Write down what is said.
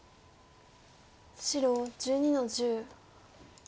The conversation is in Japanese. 白１２の十。